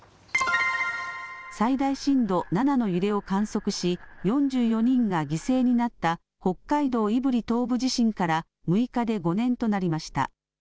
最大震度７の揺れを観測し４４人が犠牲になった北海道胆振東部地震から６日で５年となりました。